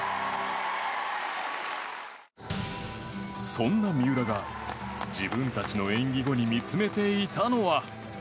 そんな三浦が自分たちの演技後に見つめていたのは。